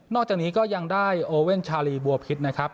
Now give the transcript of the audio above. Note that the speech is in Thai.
จากนี้ก็ยังได้โอเว่นชาลีบัวพิษนะครับ